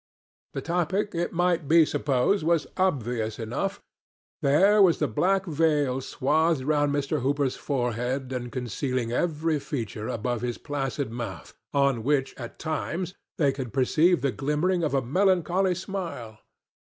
The topic, it might be supposed, was obvious enough. There was the black veil swathed round Mr. Hooper's forehead and concealing every feature above his placid mouth, on which, at times, they could perceive the glimmering of a melancholy smile.